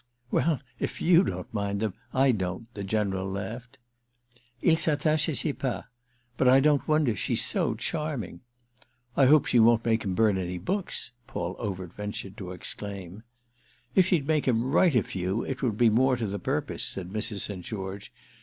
"Well, if you don't mind them I don't," the General laughed. "Il s'attache à ses pas. But I don't wonder—she's so charming." "I hope she won't make him burn any books!" Paul Overt ventured to exclaim. "If she'd make him write a few it would be more to the purpose," said Mrs. St. George.